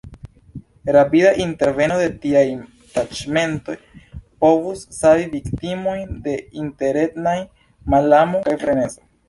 Rapida interveno de tiaj taĉmentoj povus savi viktimojn de interetnaj malamo kaj frenezo.